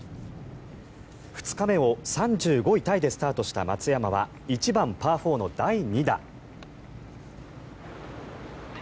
２日目を３５位タイでスタートした松山は１番、パー４の第２打。